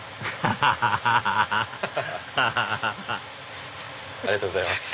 ハハハハありがとうございます。